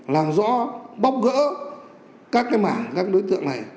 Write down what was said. làm rõ bóc gỡ các cái mảng các đối tượng này